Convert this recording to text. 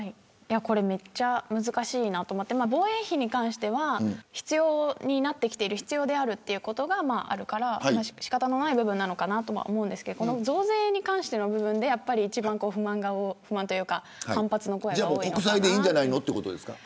これめっちゃ難しいなと思って防衛費に関しては必要であるということがあるから仕方のない部分かなとは思いますが増税に関しての部分で一番不満というか国債でいいんじゃないのということですか。